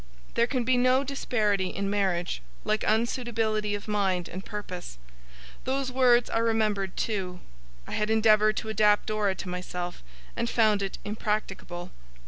'There can be no disparity in marriage, like unsuitability of mind and purpose.' Those words I remembered too. I had endeavoured to adapt Dora to myself, and found it impracticable.